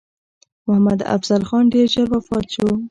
محمدافضل خان ډېر ژر وفات شو.